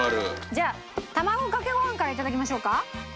じゃあ卵かけご飯からいただきましょうか？